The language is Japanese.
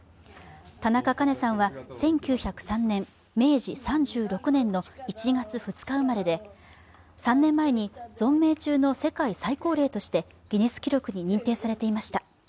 田中カ子さんは１９０３年、明治３６年の１月２日生まれで、３年前に存命中の世界最高齢としてギネス記録に認定されていました。